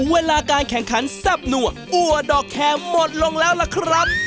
เวลาการแข่งขันซับหนัวอัวอัดอร์ดอร์แคร์หมดลงแล้วล่ะครับ